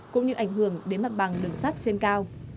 cũng như ảnh hưởng đến mặt bằng đường sắt trên cao